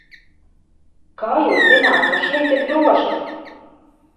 Kā jūs zināt, ka šeit ir droši?